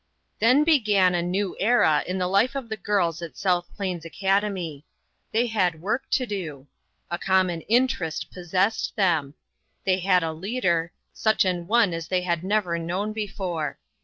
THEN began a new era in the life of the girls at South Plains Academy. They had work to do. A common interest possessed them. They had a leader; such an one as they had never known before.